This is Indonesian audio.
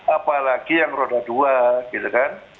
apalagi yang roda dua gitu kan